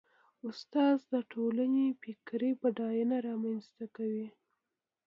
استاد د ټولنې فکري بډاینه رامنځته کوي.